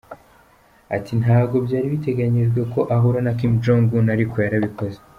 Ati “Ntabwo byari biteganyijwe ko ahura na Kim Jong-un ariko yarabikoze.